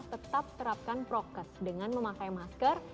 tetap terapkan prokes dengan memakai masker